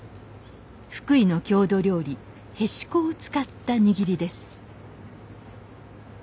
福井の郷土料理へしこを使った握りです